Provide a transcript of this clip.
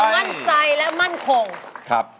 ตอนนี้มั่นใจและมั่นคงไม่ใช้ครับ